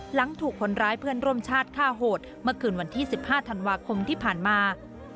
หลังถูกคนร้ายเพื่อนร่วมชาติฆ่าโหดเมื่อคืนวันที่๑๕ธันวาคมที่ผ่านมา